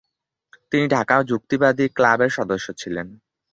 তিনি ঢাকা যুক্তিবাদী ক্লাবের সদস্য ছিলেন।